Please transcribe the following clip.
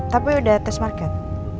tapi udah test market